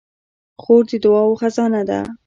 خور د دعاوو خزانه ده.